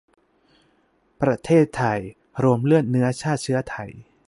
ประเทศไทย รวมเลือดเนื้อ ชาติเชื้อไทย